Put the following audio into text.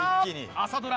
朝ドラ